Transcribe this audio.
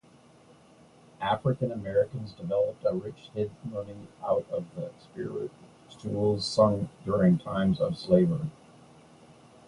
African-Americans developed a rich hymnody out of the spirituals sung during times of slavery.